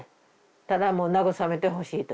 ただもう慰めてほしいと。